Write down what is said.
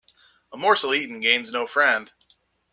A morsel eaten gains no friend.